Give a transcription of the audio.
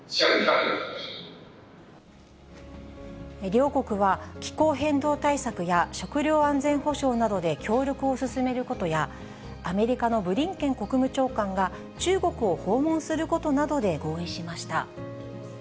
両国は気候変動対策や食料安全保障などで協力を進めることや、アメリカのブリンケン国務長官が中国を訪問することなどで合意しました。